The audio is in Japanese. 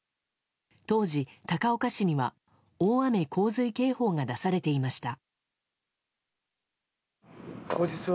当時、高岡市には大雨・洪水警報が出されていました。